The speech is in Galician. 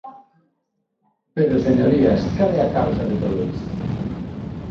Pero, señorías, ¿cal é a causa de todo isto?